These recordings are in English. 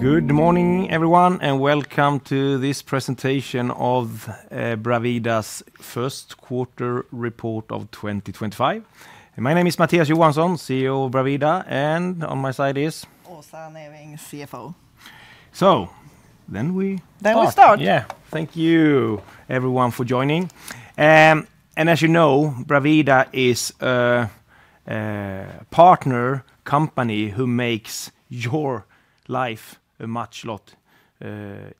Good morning, everyone, and welcome to this presentation of Bravida's first quarter report of 2025. My name is Mattias Johansson, CEO of Bravida, and on my side is... Åsa Neving, CFO. Then we... We start. Yeah, thank you, everyone, for joining. As you know, Bravida is a partner company who makes your life a much lot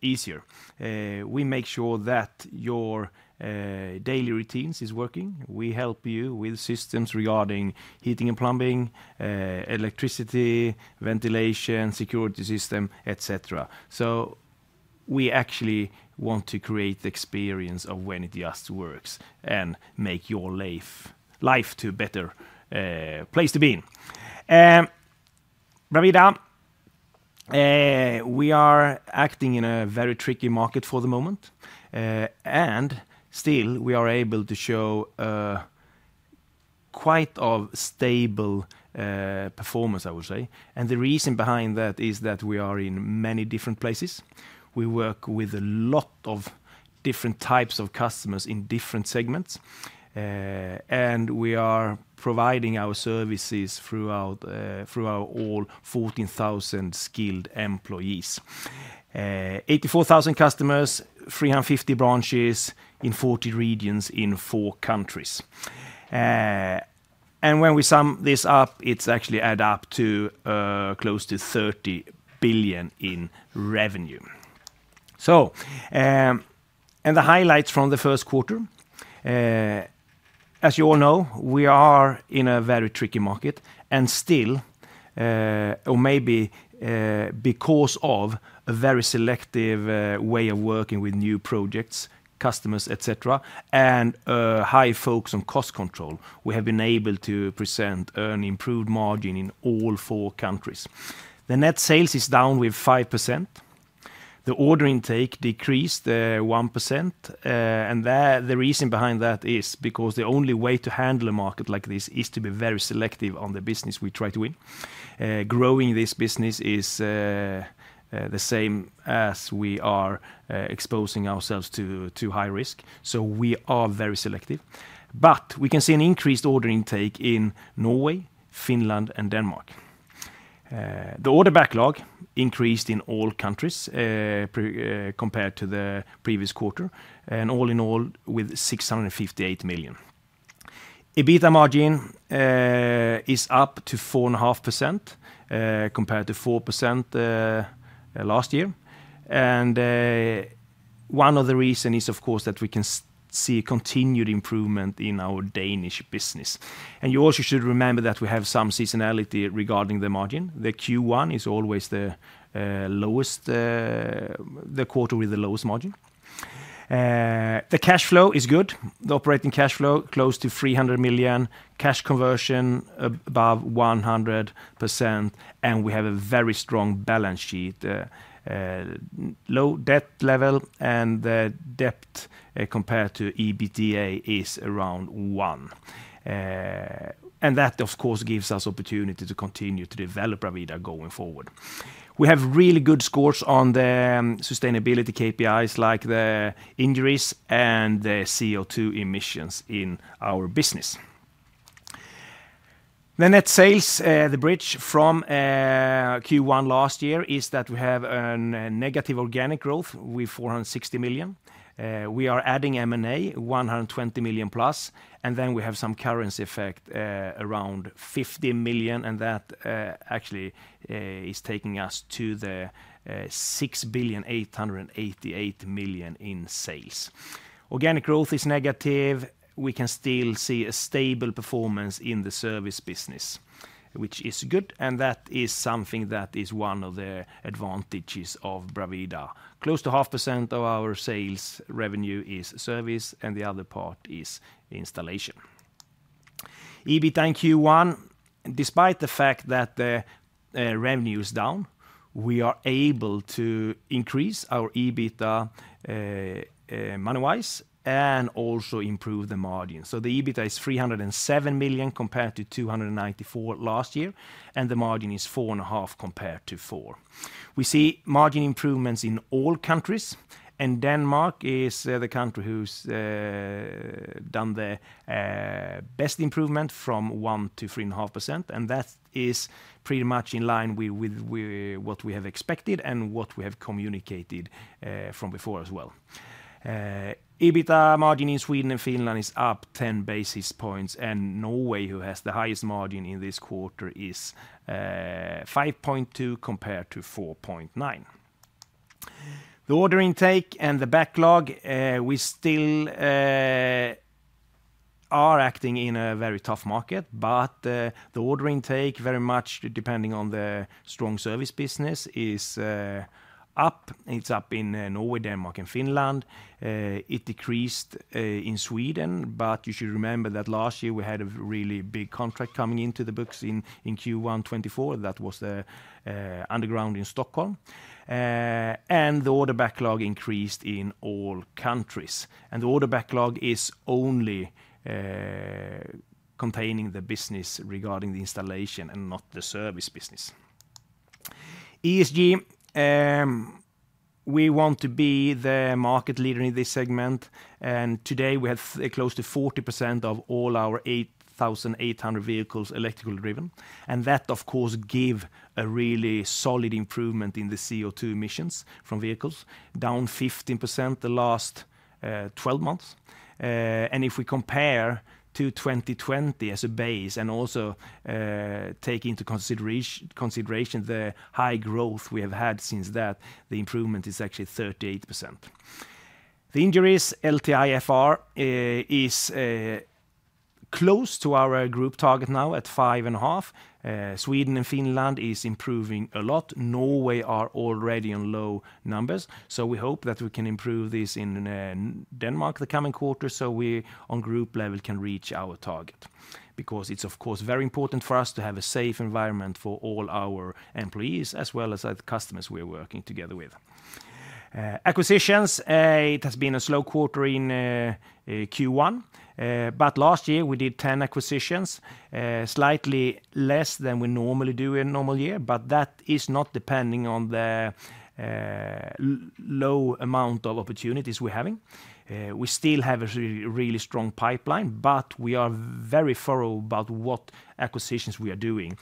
easier. We make sure that your daily routines are working. We help you with systems regarding heating and plumbing, electricity, ventilation, security system, etc. We actually want to create the experience of when it just works and make your life a better place to be in. Bravida, we are acting in a very tricky market for the moment, and still we are able to show quite a stable performance, I would say. The reason behind that is that we are in many different places. We work with a lot of different types of customers in different segments, and we are providing our services throughout all 14,000 skilled employees, 84,000 customers, 350 branches in 40 regions in four countries. When we sum this up, it actually adds up to close to 30 billion in revenue. The highlights from the first quarter, as you all know, we are in a very tricky market and still, or maybe because of a very selective way of working with new projects, customers, etc., and high focus on cost control, we have been able to present an improved margin in all four countries. Net sales is down 5%. Order intake decreased 1%. The reason behind that is because the only way to handle a market like this is to be very selective on the business we try to win. Growing this business is the same as we are exposing ourselves to high risk. We are very selective. We can see an increased order intake in Norway, Finland, and Denmark. The order backlog increased in all countries compared to the previous quarter, and all in all with 658 million. EBITDA margin is up to 4.5% compared to 4% last year. One of the reasons is, of course, that we can see continued improvement in our Danish business. You also should remember that we have some seasonality regarding the margin. Q1 is always the quarter with the lowest margin. The cash flow is good. The operating cash flow is close to 300 million. Cash conversion is above 100%, and we have a very strong balance sheet. Low debt level and debt compared to EBITDA is around one. That, of course, gives us opportunity to continue to develop Bravida going forward. We have really good scores on the sustainability KPIs like the injuries and the CO2 emissions in our business. The net sales, the bridge from Q1 last year is that we have a negative organic growth with 460 million. We are adding M&A 120 million plus, and then we have some currency effect around 50 million, and that actually is taking us to the 6.888 billion in sales. Organic growth is negative. We can still see a stable performance in the service business, which is good, and that is something that is one of the advantages of Bravida. Close to 50% of our sales revenue is service, and the other part is installation. EBITDA in Q1, despite the fact that the revenue is down, we are able to increase our EBITDA manually and also improve the margin. So the EBITDA is 307 million compared to 294 million last year, and the margin is 4.5% compared to 4%. We see margin improvements in all countries, and Denmark is the country who's done the best improvement from 1% to 3.5%, and that is pretty much in line with what we have expected and what we have communicated from before as well. EBITDA margin in Sweden and Finland is up 10 basis points, and Norway, who has the highest margin in this quarter, is 5.2% compared to 4.9%. The order intake and the backlog, we still are acting in a very tough market, but the order intake, very much depending on the strong service business, is up. It's up in Norway, Denmark, and Finland. It decreased in Sweden, but you should remember that last year we had a really big contract coming into the books in Q1 2024. That was the underground in Stockholm. The order backlog increased in all countries. The order backlog is only containing the business regarding the installation and not the service business. ESG, we want to be the market leader in this segment, and today we have close to 40% of all our 8,800 vehicles electrical driven. That, of course, gives a really solid improvement in the CO2 emissions from vehicles, down 15% the last 12 months. If we compare to 2020 as a base and also take into consideration the high growth we have had since that, the improvement is actually 38%. The injuries, LTIFR, is close to our group target now at 5.5. Sweden and Finland are improving a lot. Norway is already on low numbers. We hope that we can improve this in Denmark the coming quarter so we on group level can reach our target. Because it's, of course, very important for us to have a safe environment for all our employees as well as the customers we are working together with. Acquisitions, it has been a slow quarter in Q1, but last year we did 10 acquisitions, slightly less than we normally do in a normal year, but that is not depending on the low amount of opportunities we're having. We still have a really strong pipeline, but we are very thorough about what acquisitions we are doing.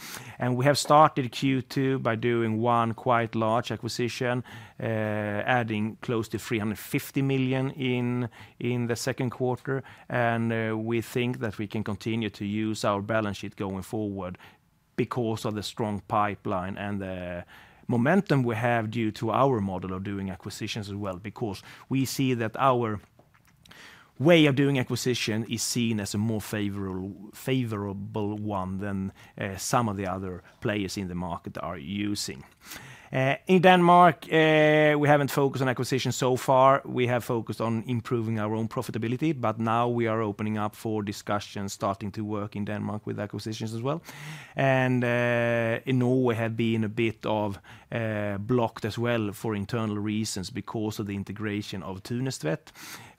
We have started Q2 by doing one quite large acquisition, adding close to 350 million in the second quarter. We think that we can continue to use our balance sheet going forward because of the strong pipeline and the momentum we have due to our model of doing acquisitions as well. Because we see that our way of doing acquisition is seen as a more favorable one than some of the other players in the market are using. In Denmark, we haven't focused on acquisitions so far. We have focused on improving our own profitability, but now we are opening up for discussions, starting to work in Denmark with acquisitions as well. In Norway, we have been a bit blocked as well for internal reasons because of the integration of Thunestvedt,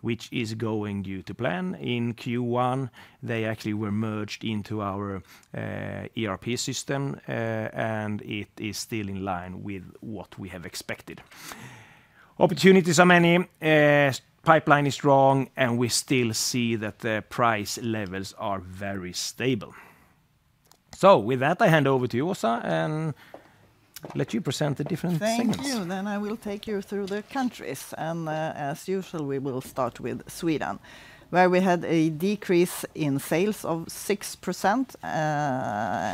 which is going due to plan in Q1. They actually were merged into our ERP system, and it is still in line with what we have expected. Opportunities are many. Pipeline is strong, and we still see that the price levels are very stable. With that, I hand over to you, Åsa, and let you present the different segments. Thank you. I will take you through the countries. As usual, we will start with Sweden, where we had a decrease in sales of 6%,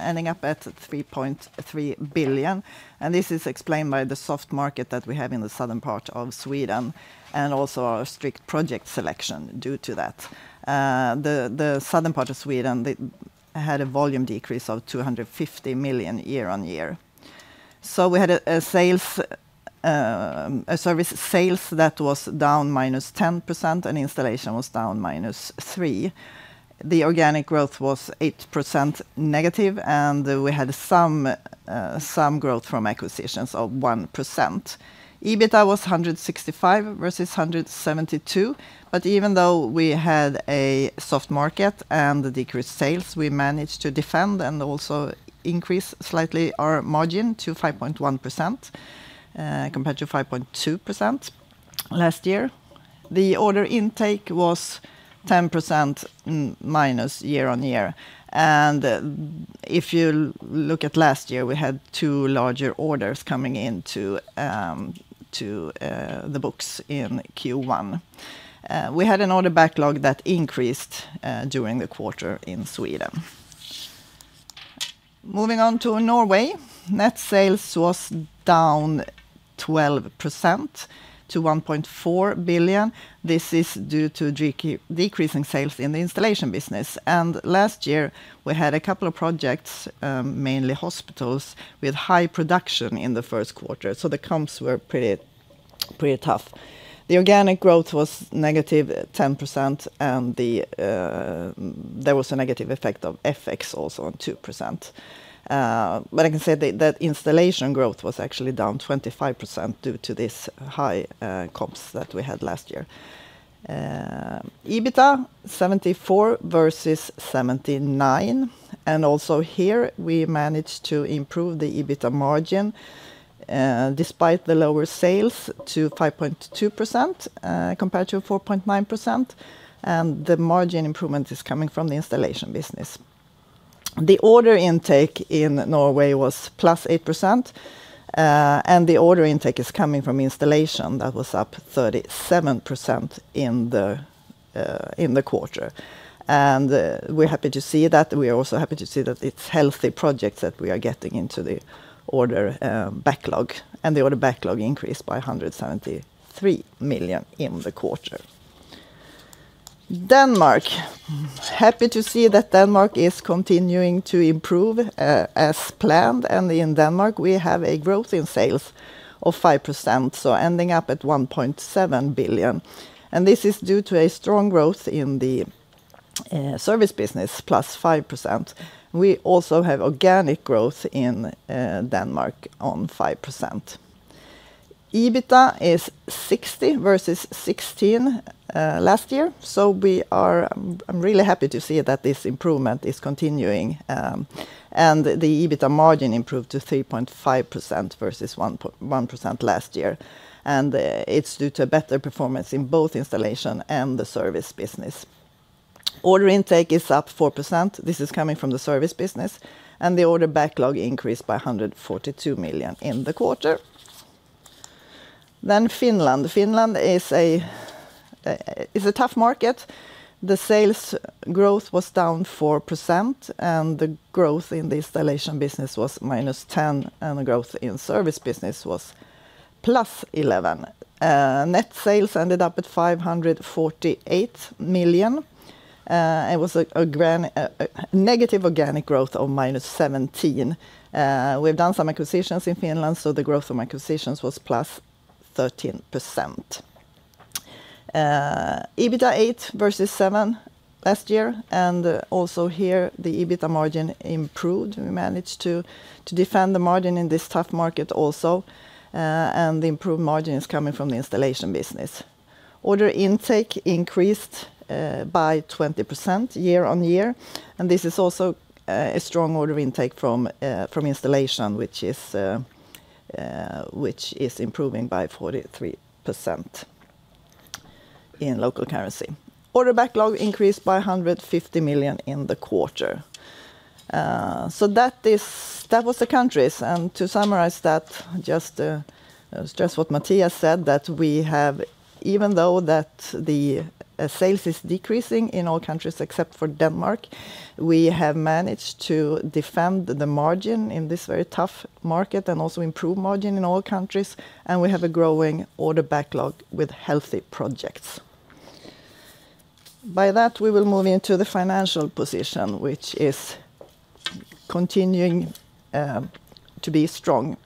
ending up at 3.3 billion. This is explained by the soft market that we have in the southern part of Sweden and also our strict project selection due to that. The southern part of Sweden had a volume decrease of 250 million year-on-year. We had service sales that was down -10%, and installation was down -3%. The organic growth was 8%-, and we had some growth from acquisitions of 1%. EBITDA was 165 million versus 172 million, but even though we had a soft market and decreased sales, we managed to defend and also increase slightly our margin to 5.1% compared to 5.2% last year. The order intake was 10%- year-on-year. If you look at last year, we had two larger orders coming into the books in Q1. We had an order backlog that increased during the quarter in Sweden. Moving on to Norway, net sales was down 12% to 1.4 billion. This is due to decreasing sales in the installation business. Last year, we had a couple of projects, mainly hospitals, with high production in the first quarter. The comps were pretty tough. The organic growth was -10%, and there was a negative effect of FX also on 2%. I can say that installation growth was actually down 25% due to these high comps that we had last year. EBITDA, 74 million versus 79 million. Here, we managed to improve the EBITDA margin despite the lower sales to 5.2% compared to 4.9%. The margin improvement is coming from the installation business. The order intake in Norway was +8%, and the order intake is coming from installation that was up 37% in the quarter. We are happy to see that. We are also happy to see that it is healthy projects that we are getting into the order backlog. The order backlog increased by 173 million in the quarter. Denmark, happy to see that Denmark is continuing to improve as planned. In Denmark, we have a growth in sales of 5%, ending up at 1.7 billion. This is due to a strong growth in the service business, +5%. We also have organic growth in Denmark of 5%. EBITDA is 60 million versus 16 million last year. I am really happy to see that this improvement is continuing. The EBITDA margin improved to 3.5% versus 1% last year. It is due to a better performance in both installation and the service business. Order intake is up 4%. This is coming from the service business. The order backlog increased by 142 million in the quarter. Finland is a tough market. The sales growth was down 4%, and the growth in the installation business was -10%, and the growth in service business was +11%. Net sales ended up at 548 million. It was a negative organic growth of -17%. We have done some acquisitions in Finland, so the growth of acquisitions was +13%. EBITDA 8% versus 7% last year. Also here, the EBITDA margin improved. We managed to defend the margin in this tough market also. The improved margin is coming from the installation business. Order intake increased by 20% year-on-year. This is also a strong order intake from installation, which is improving by 43% in local currency. Order backlog increased by 150 million in the quarter. That was the countries. To summarize that, just to stress what Mattias said, we have, even though the sales is decreasing in all countries except for Denmark, managed to defend the margin in this very tough market and also improve margin in all countries. We have a growing order backlog with healthy projects. By that, we will move into the financial position, which is continuing to be strong.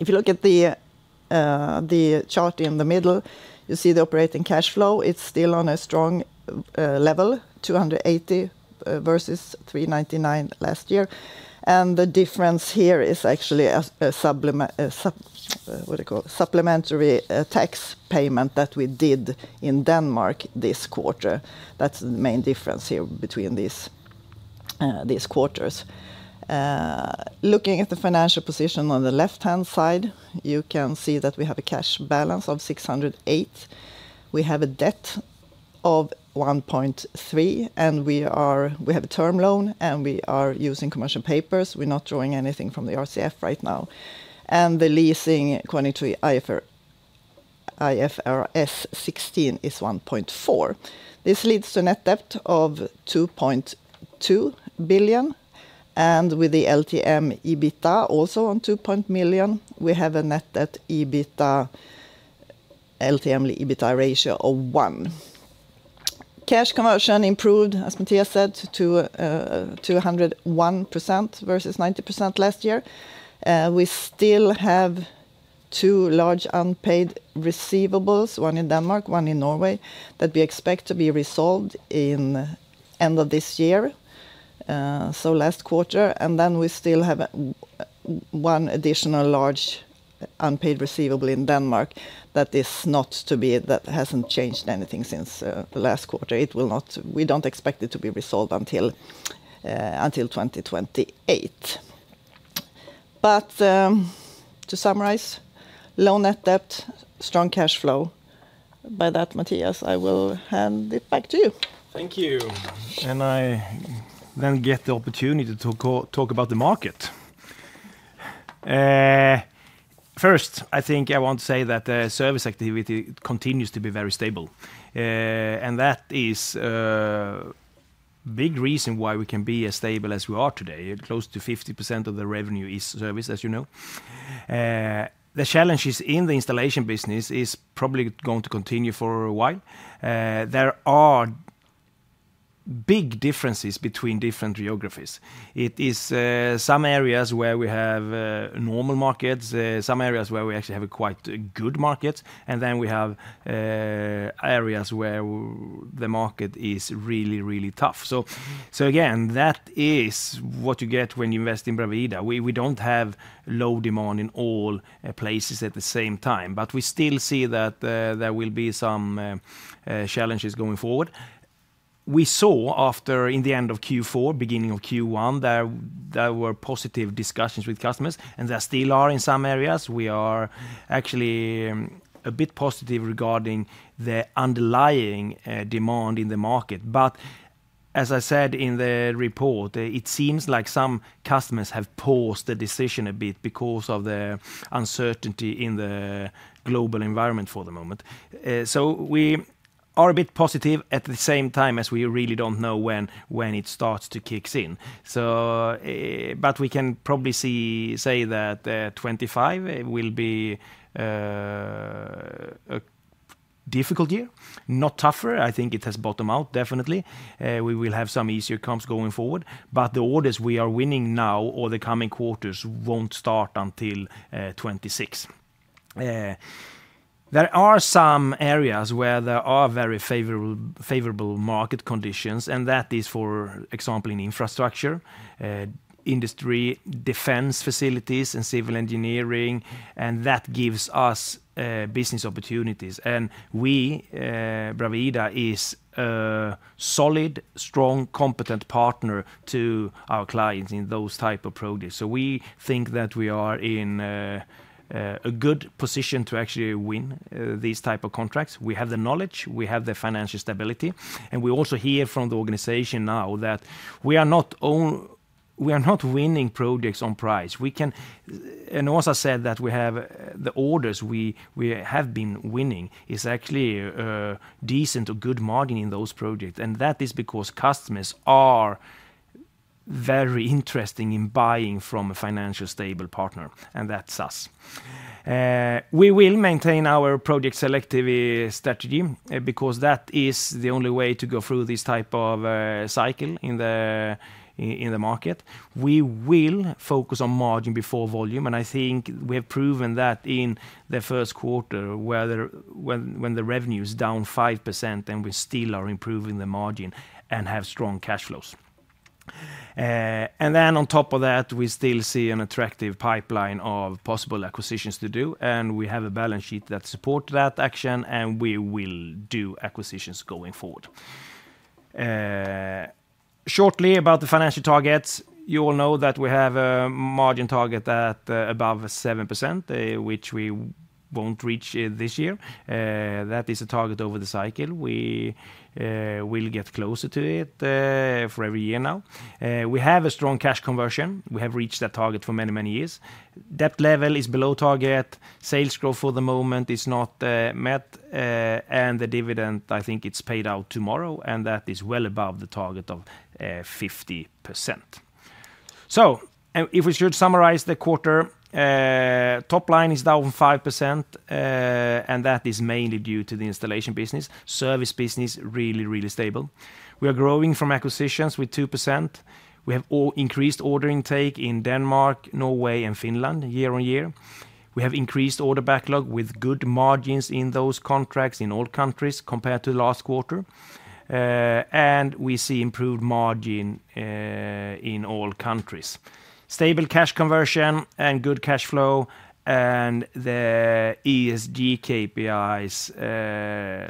If you look at the chart in the middle, you see the operating cash flow. It is still on a strong level, 280 million versus 399 million last year. The difference here is actually a supplementary tax payment that we did in Denmark this quarter. That's the main difference here between these quarters. Looking at the financial position on the left-hand side, you can see that we have a cash balance of 608 million. We have a debt of 1.3 billion, and we have a term loan, and we are using commercial papers. We're not drawing anything from the RCF right now. The leasing according to IFRS 16 is 1.4 billion. This leads to a net debt of 2.2 billion. With the LTM EBITDA also on 2.1 billion, we have a net debt/EBITDA, LTM EBITDA ratio of 1x. Cash conversion improved, as Mattias said, to 201% versus 90% last year. We still have two large unpaid receivables, one in Denmark, one in Norway, that we expect to be resolved in the end of this year, so last quarter. We still have one additional large unpaid receivable in Denmark that has not changed since the last quarter. We do not expect it to be resolved until 2028. To summarize, low net debt, strong cash flow. By that, Mattias, I will hand it back to you. Thank you. I then get the opportunity to talk about the market. First, I think I want to say that the service activity continues to be very stable. That is a big reason why we can be as stable as we are today. Close to 50% of the revenue is service, as you know. The challenges in the installation business are probably going to continue for a while. There are big differences between different geographies. It is some areas where we have normal markets, some areas where we actually have a quite good market, and then we have areas where the market is really, really tough. Again, that is what you get when you invest in Bravida. We do not have low demand in all places at the same time, but we still see that there will be some challenges going forward. We saw after, in the end of Q4, beginning of Q1, there were positive discussions with customers, and there still are in some areas. We are actually a bit positive regarding the underlying demand in the market. As I said in the report, it seems like some customers have paused the decision a bit because of the uncertainty in the global environment for the moment. We are a bit positive at the same time as we really do not know when it starts to kick in. We can probably say that 2025 will be a difficult year, not tougher. I think it has bottomed out, definitely. We will have some easier comps going forward. The orders we are winning now or the coming quarters will not start until 2026. There are some areas where there are very favorable market conditions, for example, in infrastructure, industry, defense facilities, and civil engineering. That gives us business opportunities. Bravida is a solid, strong, competent partner to our clients in those types of projects. We think that we are in a good position to actually win these types of contracts. We have the knowledge, we have the financial stability. We also hear from the organization now that we are not winning projects on price. Åsa said that the orders we have been winning are actually decent or good margin in those projects. That is because customers are very interested in buying from a financially stable partner, and that's us. We will maintain our project selectivity strategy because that is the only way to go through this type of cycle in the market. We will focus on margin before volume. I think we have proven that in the first quarter, when the revenue is down 5%, and we still are improving the margin and have strong cash flows. On top of that, we still see an attractive pipeline of possible acquisitions to do. We have a balance sheet that supports that action, and we will do acquisitions going forward. Shortly about the financial targets. You all know that we have a margin target above 7%, which we won't reach this year. That is a target over the cycle. We will get closer to it for every year now. We have a strong cash conversion. We have reached that target for many, many years. Debt level is below target. Sales growth for the moment is not met. The dividend, I think it's paid out tomorrow. That is well above the target of 50%. If we should summarize the quarter, top line is down 5%, and that is mainly due to the installation business. Service business is really, really stable. We are growing from acquisitions with 2%. We have all increased order intake in Denmark, Norway, and Finland year-on-year. We have increased order backlog with good margins in those contracts in all countries compared to last quarter. We see improved margin in all countries. Stable cash conversion and good cash flow and the ESG KPIs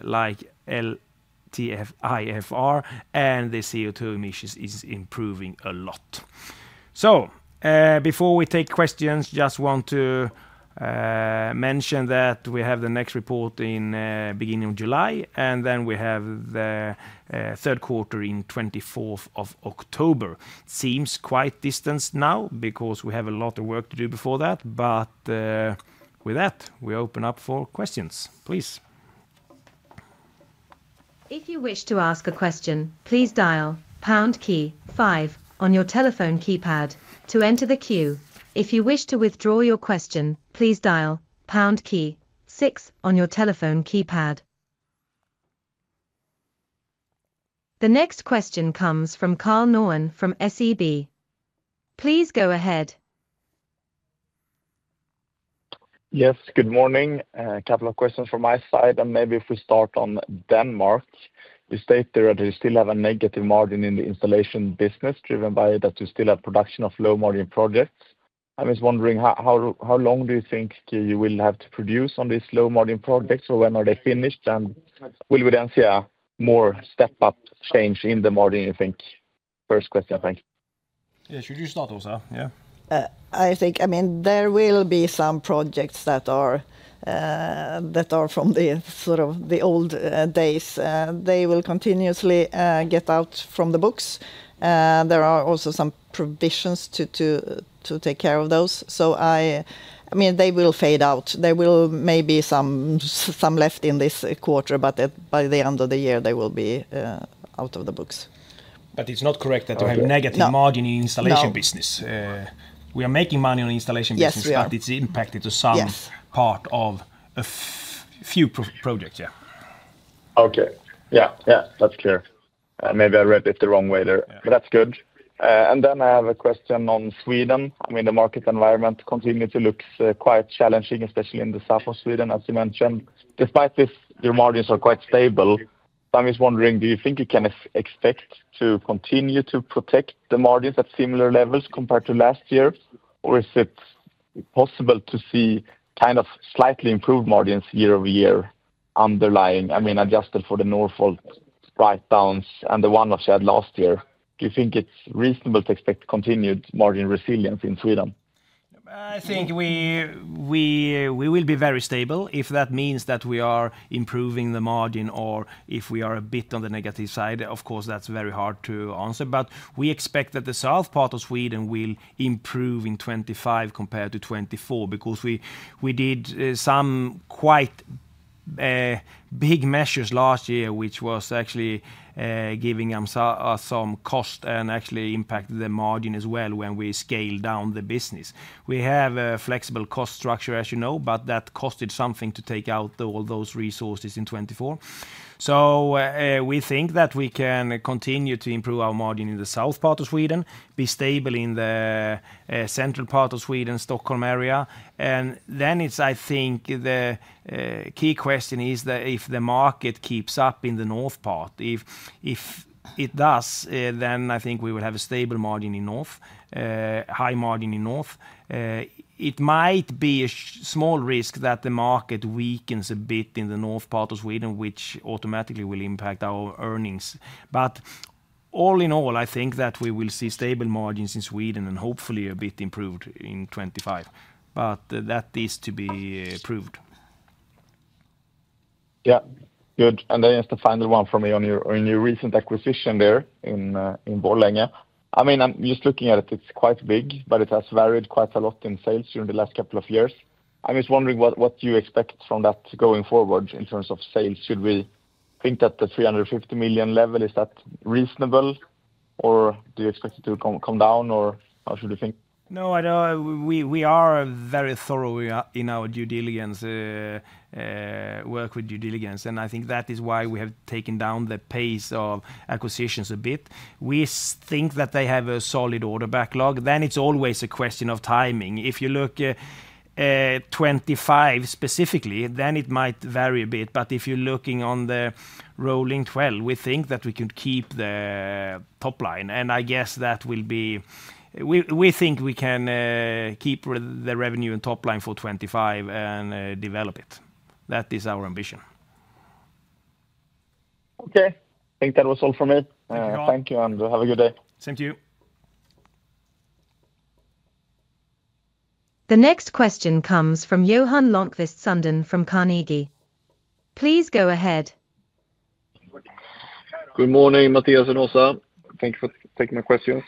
like LTIFR and the CO2 emissions are improving a lot. Before we take questions, I just want to mention that we have the next report in the beginning of July. We have the third quarter on the 24th of October. Seems quite distant now because we have a lot of work to do before that. With that, we open up for questions. Please. If you wish to ask a question, please dial pound key five on your telephone keypad to enter the queue. If you wish to withdraw your question, please dial pound key six on your telephone keypad. The next question comes from Karl Norén from SEB. Please go ahead. Yes, good morning. A couple of questions from my side. Maybe if we start on Denmark, you state there that you still have a negative margin in the installation business driven by that you still have production of low margin projects. I'm just wondering, how long do you think you will have to produce on these low margin projects? Or when are they finished? Will we then see a more step-up change in the margin, you think? First question, thank you. Yeah, should you start, Åsa? Yeah. I think, I mean, there will be some projects that are from the sort of the old days. They will continuously get out from the books. There are also some provisions to take care of those. I mean, they will fade out. There will maybe be some left in this quarter, but by the end of the year, they will be out of the books. It is not correct that you have a negative margin in the installation business. We are making money on the installation business, but it is impacted to some part of a few projects, yeah. Okay. Yeah, yeah, that's clear. Maybe I read it the wrong way there, but that's good. I have a question on Sweden. I mean, the market environment continues to look quite challenging, especially in the south of Sweden, as you mentioned. Despite this, your margins are quite stable. I'm just wondering, do you think you can expect to continue to protect the margins at similar levels compared to last year? Is it possible to see kind of slightly improved margins year-over-year underlying, I mean, adjusted for the Northvolt write-downs and the one that you had last year? Do you think it's reasonable to expect continued margin resilience in Sweden? I think we will be very stable if that means that we are improving the margin or if we are a bit on the negative side. Of course, that's very hard to answer. We expect that the south part of Sweden will improve in 2025 compared to 2024 because we did some quite big measures last year, which was actually giving us some cost and actually impacted the margin as well when we scaled down the business. We have a flexible cost structure, as you know, but that costed something to take out all those resources in 2024. We think that we can continue to improve our margin in the south part of Sweden, be stable in the central part of Sweden, Stockholm area. I think the key question is that if the market keeps up in the north part. If it does, then I think we will have a stable margin in north, high margin in north. It might be a small risk that the market weakens a bit in the north part of Sweden, which automatically will impact our earnings. All in all, I think that we will see stable margins in Sweden and hopefully a bit improved in 2025. That is to be proved. Yeah, good. Then it's the final one for me on your recent acquisition there in Borlänge. I mean, I'm just looking at it. It's quite big, but it has varied quite a lot in sales during the last couple of years. I'm just wondering what you expect from that going forward in terms of sales. Should we think that the 350 million level, is that reasonable, or do you expect it to come down, or how should we think? No, I know we are very thorough in our due diligence, work with due diligence. I think that is why we have taken down the pace of acquisitions a bit. We think that they have a solid order backlog. It is always a question of timing. If you look at 2025 specifically, it might vary a bit. If you are looking on the rolling 12, we think that we can keep the top line. I guess that will be, we think we can keep the revenue and top line for 2025 and develop it. That is our ambition. Okay. I think that was all for me. Thank you, and have a good day. Same to you. The next question comes from Johan Lönnqvist Sundén from Carnegie. Please go ahead. Good morning, Mattias and Åsa. Thank you for taking my questions.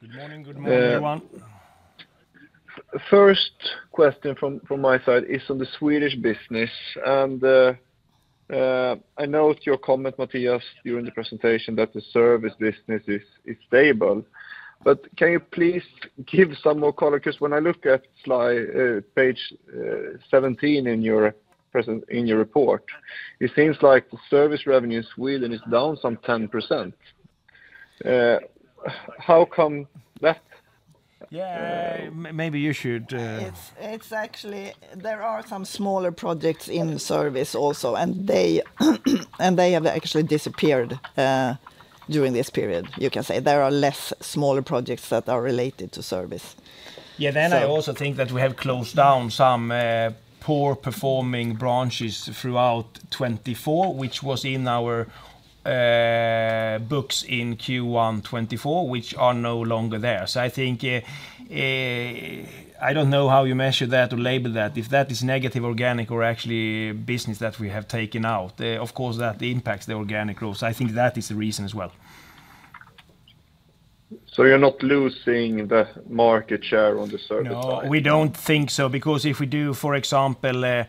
Good morning, good morning, Johan. First question from my side is on the Swedish business. I noted your comment, Mattias, during the presentation that the service business is stable. Can you please give some more color? When I look at slide page 17 in your report, it seems like the service revenue in Sweden is down some 10%. How come that? Yeah, maybe you should. It's actually, there are some smaller projects in service also, and they have actually disappeared during this period. You can say there are less smaller projects that are related to service. Yeah, then I also think that we have closed down some poor-performing branches throughout 2024, which was in our books in Q1 2024, which are no longer there. I think I do not know how you measure that or label that. If that is negative organic or actually business that we have taken out, of course, that impacts the organic growth. I think that is the reason as well. You're not losing the market share on the service side? No, we do not think so. Because if we do, for example, the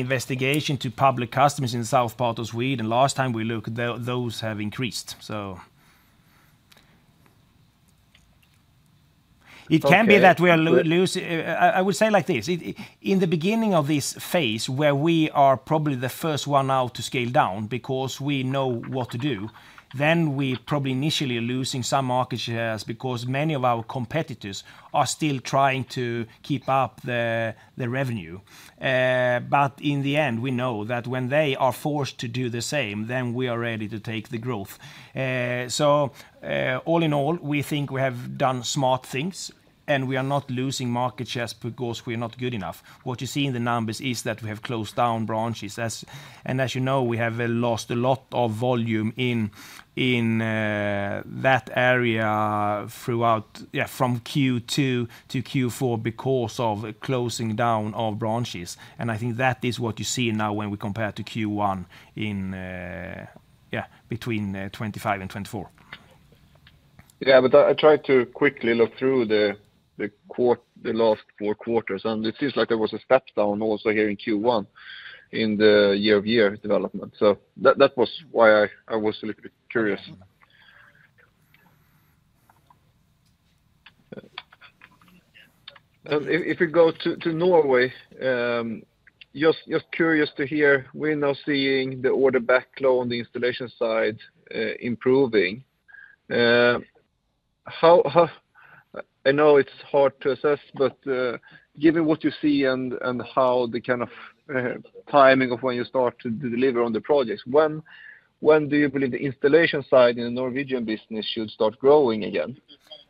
investigation to public customers in the south part of Sweden, last time we looked, those have increased. It can be that we are losing. I would say like this. In the beginning of this phase, where we are probably the first one out to scale down because we know what to do, we probably initially are losing some market shares because many of our competitors are still trying to keep up the revenue. In the end, we know that when they are forced to do the same, we are ready to take the growth. All in all, we think we have done smart things, and we are not losing market shares because we are not good enough. What you see in the numbers is that we have closed down branches. As you know, we have lost a lot of volume in that area throughout, yeah, from Q2 to Q4 because of closing down of branches. I think that is what you see now when we compare to Q1 in, yeah, between 2025 and 2024. Yeah, but I tried to quickly look through the last four quarters. It seems like there was a step down also here in Q1 in the year-over-year development. That was why I was a little bit curious. If we go to Norway, just curious to hear, we're now seeing the order backlog on the installation side improving. I know it's hard to assess, but given what you see and how the kind of timing of when you start to deliver on the projects, when do you believe the installation side in the Norwegian business should start growing again?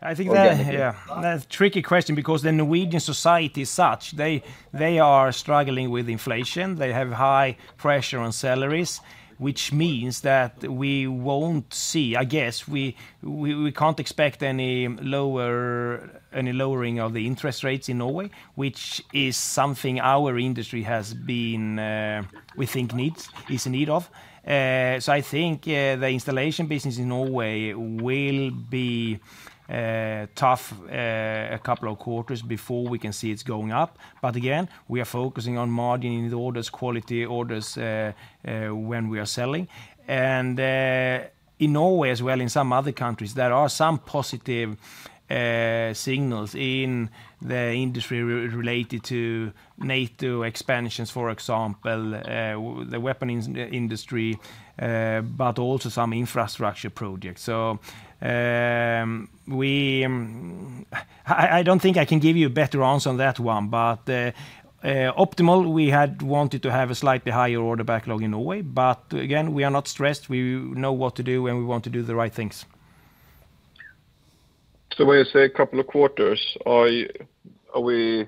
I think that's a tricky question because the Norwegian society is such. They are struggling with inflation. They have high pressure on salaries, which means that we won't see, I guess, we can't expect any lowering of the interest rates in Norway, which is something our industry has been, we think, needs, is in need of. I think the installation business in Norway will be tough a couple of quarters before we can see it's going up. Again, we are focusing on margin in the orders, quality orders when we are selling. In Norway as well, in some other countries, there are some positive signals in the industry related to NATO expansions, for example, the weapon industry, but also some infrastructure projects. I don't think I can give you a better answer on that one. Optimal, we had wanted to have a slightly higher order backlog in Norway. Again, we are not stressed. We know what to do, and we want to do the right things. So when you say a couple of quarters, are we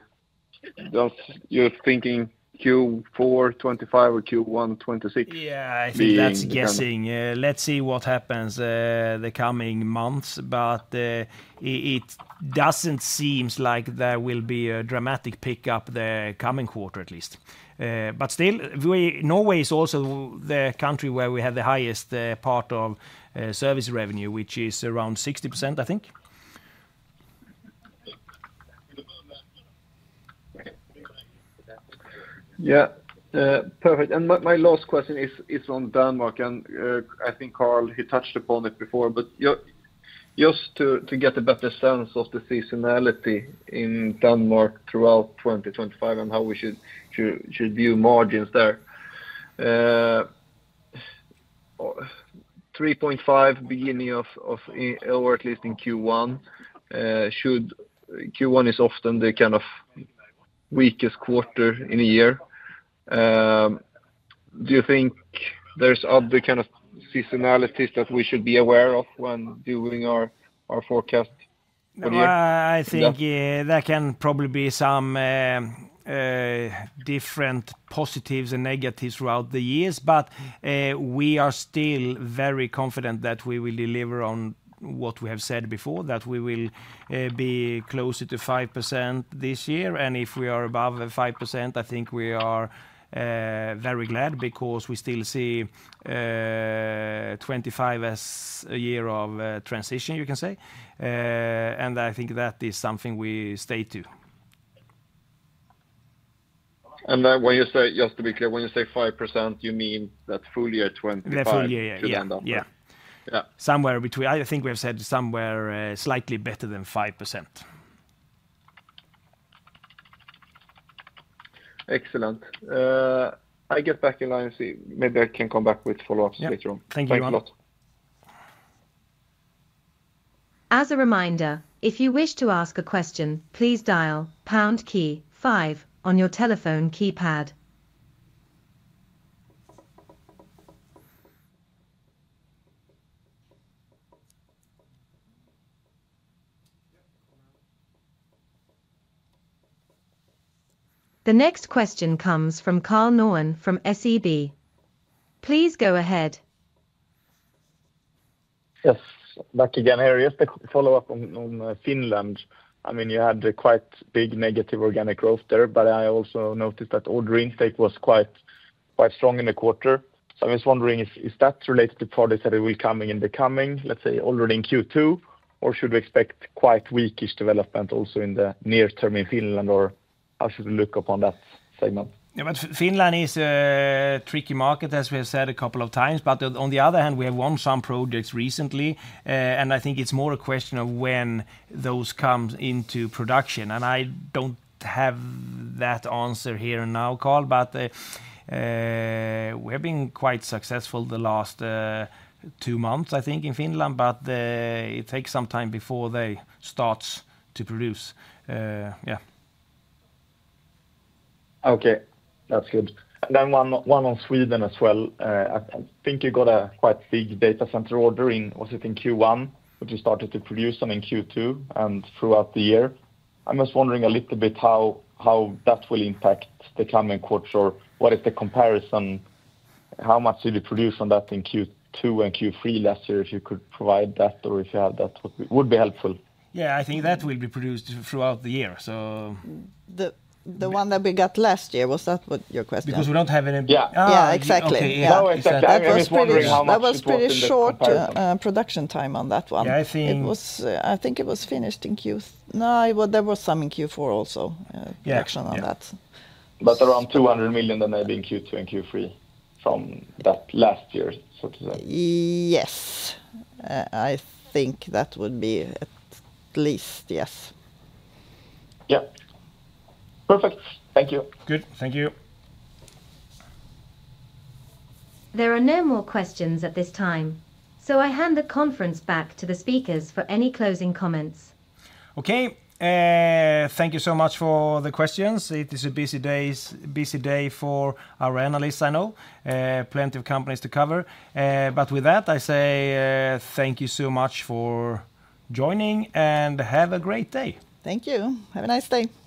thinking Q4 2025 or Q1 2026? Yeah, I think that's a guessing. Let's see what happens the coming months. It doesn't seem like there will be a dramatic pickup the coming quarter, at least. Still, Norway is also the country where we have the highest part of service revenue, which is around 60%, I think. Yeah, perfect. My last question is on Denmark. I think Karl, you touched upon it before. Just to get a better sense of the seasonality in Denmark throughout 2025 and how we should view margins there. 3.5% beginning of, or at least in Q1. Q1 is often the kind of weakest quarter in a year. Do you think there's other kind of seasonalities that we should be aware of when doing our forecast for the year? I think there can probably be some different positives and negatives throughout the years. We are still very confident that we will deliver on what we have said before, that we will be closer to 5% this year. If we are above 5%, I think we are very glad because we still see 2025 as a year of transition, you can say. I think that is something we stay to. Just to be clear, when you say 5%, you mean that full year 2025? The full year, yeah. Somewhere between. I think we have said somewhere slightly better than 5%. Excellent. I get back in line and see. Maybe I can come back with follow-ups later on. Yeah, thank you very much. As a reminder, if you wish to ask a question, please dial pound key five on your telephone keypad. The next question comes from Karl Norén from SEB. Please go ahead. Yes, back again here. Just a follow-up on Finland. I mean, you had quite big negative organic growth there, but I also noticed that order intake was quite strong in the quarter. I was wondering, is that related to projects that will be coming in the coming, let's say, already in Q2, or should we expect quite weakish development also in the near term in Finland, or how should we look upon that segment? Yeah, Finland is a tricky market, as we have said a couple of times. On the other hand, we have won some projects recently. I think it's more a question of when those come into production. I don't have that answer here and now, Karl, but we have been quite successful the last two months, I think, in Finland. It takes some time before they start to produce. Yeah. Okay, that's good. Then one on Sweden as well. I think you got a quite big data center order in, was it in Q1, which you started to produce them in Q2 and throughout the year. I'm just wondering a little bit how that will impact the coming quarter or what is the comparison, how much did you produce on that in Q2 and Q3 last year, if you could provide that or if you have that, would be helpful. Yeah, I think that will be produced throughout the year. The one that we got last year, was that what your question was? Because we don't have any. Yeah, exactly. Oh, exactly. I was wondering how much production. That was pretty short production time on that one. I think it was finished in Q. No, there was some in Q4 also, production on that. Around 200 million then maybe in Q2 and Q3 from that last year, so to say. Yes. I think that would be at least, yes. Yeah. Perfect. Thank you. Good. Thank you. There are no more questions at this time. So I hand the conference back to the speakers for any closing comments. Okay. Thank you so much for the questions. It is a busy day for our analysts, I know. Plenty of companies to cover. With that, I say thank you so much for joining and have a great day. Thank you. Have a nice day.